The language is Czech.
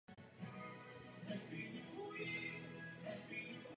Po tomto výsledku mělo Brno blízko k záchraně v Gambrinus lize.